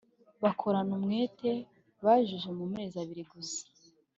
bakorana umwete bayujuje mu mezi abiri gusa